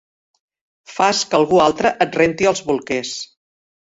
Fas que algú altre et renti els bolquers.